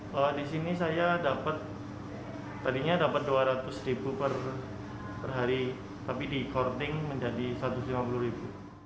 kalau di sini saya dapat tadinya dapat dua ratus ribu per hari tapi di courting menjadi satu ratus lima puluh ribu